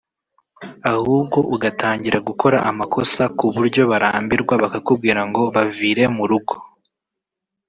ahubwo ugatangira gukora amakosa ku buryo barambirwa bakakubwira ngo bavire mu rugo